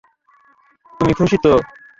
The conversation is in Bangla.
তুমি খুশি তো?